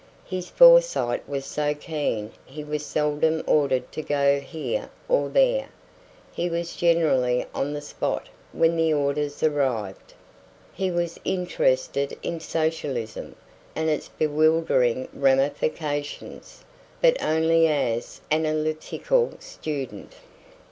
His foresight was so keen he was seldom ordered to go here or there; he was generally on the spot when the orders arrived. He was interested in socialism and its bewildering ramifications, but only as an analytical student.